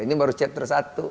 ini baru chapter satu